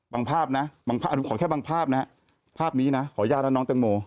บางภาพนะขอแค่บางภาพนะภาพนี้นะขออนุญาตนะน้องตังโม